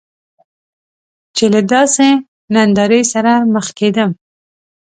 چې له داسې نندارې سره مخ کیدم.